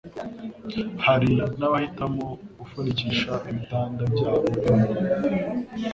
Hari n'abahitamo gufunikisha ibitanda byabo impu